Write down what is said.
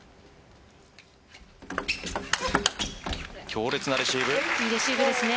強烈なレシーブ。